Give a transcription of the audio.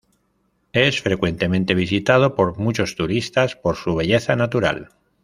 Es frecuentemente visitado por muchos turistas por su belleza natural.